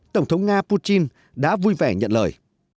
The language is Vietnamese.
tổng thống nga putin đã vui vẻ nhận lời